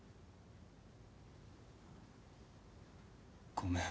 ごめん。